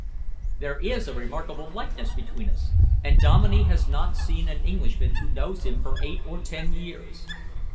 "There is a remarkable likeness between us, and Dominey has not seen an Englishman who knows him for eight or ten years.